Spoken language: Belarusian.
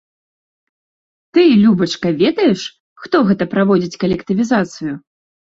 Ты, любачка, ведаеш, хто гэта праводзіць калектывізацыю?